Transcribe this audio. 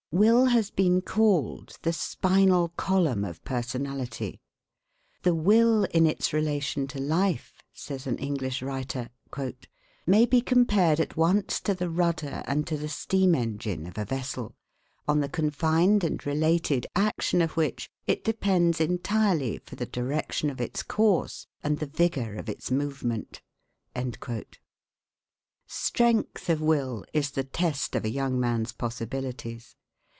Will has been called the spinal column of personality. "The will in its relation to life," says an English writer, "may be compared at once to the rudder and to the steam engine of a vessel, on the confined and related action of which it depends entirely for the direction of its course and the vigor of its movement." Strength of will is the test of a young man's possibilities.